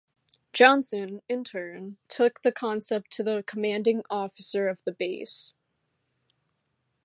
Johnson, in turn, took the concept to the commanding officer of the base.